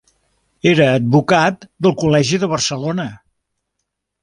Era advocat del col·legi de Barcelona.